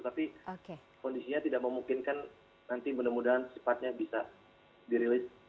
tapi kondisinya tidak memungkinkan nanti mudah mudahan sifatnya bisa dirilis